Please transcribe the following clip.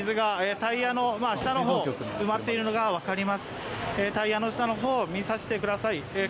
タイヤの下の方、見させてください。